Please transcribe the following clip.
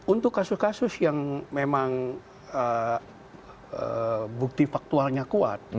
untuk kasus kasus yang memang bukti faktualnya kuat